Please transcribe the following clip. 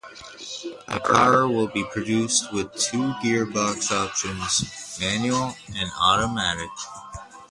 The car will be produced with two gearbox options (manual and automatic).